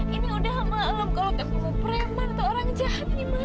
ini udah malam kalo tepungnya preman atau orang jahat di mana